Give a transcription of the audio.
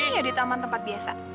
ini ya di taman tempat biasa